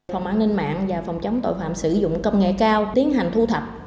phòng an ninh mạng và phòng chống tội phạm sử dụng công nghệ cao tiến hành thu thập